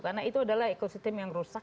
karena itu adalah ekosistem yang rusak